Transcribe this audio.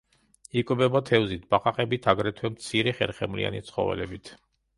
იკვებება თევზით, ბაყაყებით, აგრეთვე მცირე ხერხემლიანი ცხოველებით.